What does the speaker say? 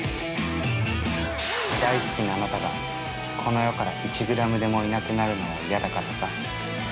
◆大好きなあなたが、この世から１グラムでもいなくなるのは嫌だからさ。